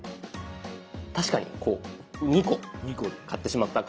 確かにこう２個買ってしまった感じに。